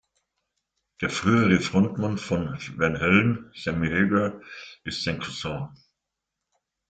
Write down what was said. Der frühere Frontmann von Van Halen, Sammy Hagar, ist sein Cousin.